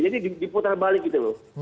jadi diputar balik gitu loh